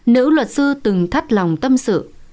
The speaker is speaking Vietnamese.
nữ luật sư từng thắt lòng tâm sự